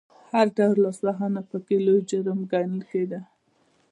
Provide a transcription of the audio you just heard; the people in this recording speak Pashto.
هر ډول لاسوهنه پکې لوی جرم ګڼل کېده.